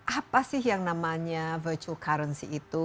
apa sih yang namanya virtual currency itu